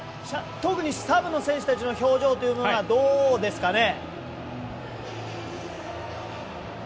特にサブの選手たちの表情というのはどうですかね。